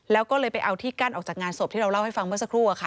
แล้วก็เลยไปเอาที่กั้นออกจากงานศพที่เราเล่าให้ฟังเมื่อสักครู่อะค่ะ